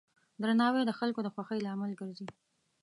درناوی د خلکو د خوښۍ لامل ګرځي.